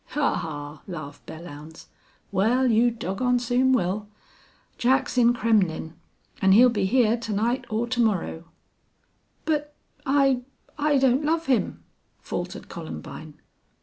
"Haw! Haw!" laughed Belllounds. "Wal, you dog gone soon will. Jack's in Kremmlin', an' he'll be hyar to night or to morrow." "But I I don't l love him," faltered Columbine.